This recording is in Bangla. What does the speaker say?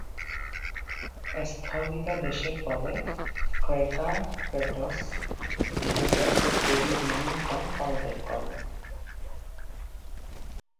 স্থগিতাদেশের ফলে, ক্রাকার-ক্যাটস ম্যানেজার টেরি বেভিংটন পদত্যাগ করেন।